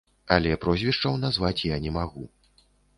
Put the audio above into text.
Але прозвішчаў назваць я не магу.